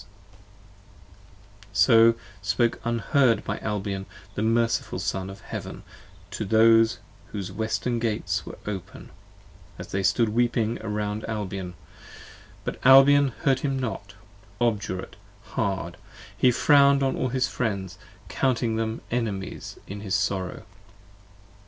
S" So spoke, unheard by Albion, the merciful Son of Heaven To those whose Western Gates were open, as they stood weeping 35 Around Albion: but Albion heard him not: obdurate, hard, He frown'd on all his Friends, counting them enemies in his sorrow.